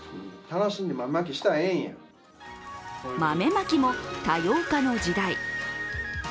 豆まきも多様化の時代。